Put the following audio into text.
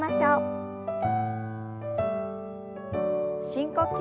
深呼吸。